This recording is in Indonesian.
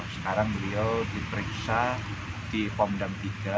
sekarang beliau diperiksa di pondam tiga